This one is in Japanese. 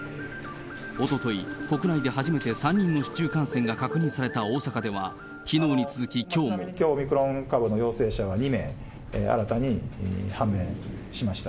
おととい、国内で初めて３人の市中感染が確認された大阪では、きのうに続き、きょう、オミクロン株の陽性者は２名、新たに判明しました。